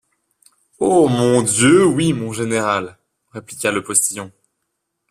Oh! mon Dieu oui, mon général, répliqua le postillon.